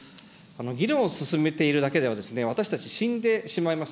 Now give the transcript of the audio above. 議論を進めているだけでは、私たち、死んでしまいます。